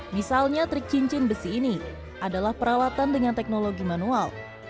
misalnya trik cincin besi ini adalah peralatan dengan teknologi manual